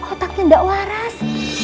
otaknya enggak waras